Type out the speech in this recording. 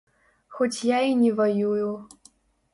Хоць я і не ваюю.